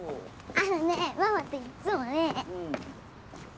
あのねママといっつもね。